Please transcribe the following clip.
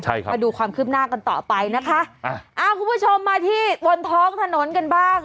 ถ้าดูความขึ้นขึ้นหน้าน่ะต่อไปพี่ผู้ชมมาทีุ่งท้องถนนกันบ้าง